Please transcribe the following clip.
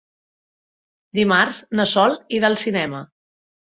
Dimarts na Sol irà al cinema.